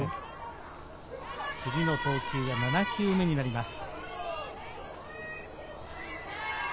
次の投球で７球目となります。